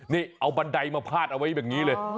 นี่เอาบันไดมาพาดเอาไว้แบบนี้เลย